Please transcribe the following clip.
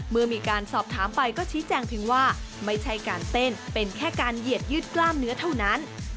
เมื่อมีการสอบถามไปก็ชี้แจงเพียงว่าไม่ใช่การเต้นเป็นแค่การเหยียดยืดกล้ามเนื้อเท่านั้น